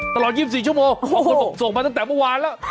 ตลอด๒๔ชั่วโมงส่งมาตั้งแต่เมื่อวานแล้ว